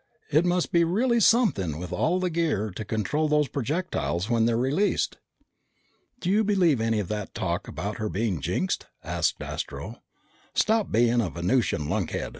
"It must be really something with all the gear to control those projectiles when they're released." "Do you believe any of that talk about her being jinxed?" asked Astro. "Stop being a Venusian lunkhead!"